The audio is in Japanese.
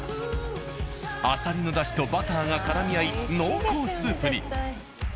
あさりのだしとバターがからみ合い濃厚スープに。